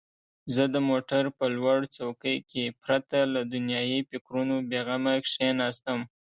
زه د موټر په لوړ څوکۍ کې پرته له دنیايي فکرونو بېغمه کښېناستم.